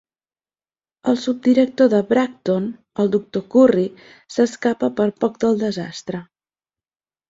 El subdirector de Bracton, el doctor Curry, s'escapa per poc del desastre.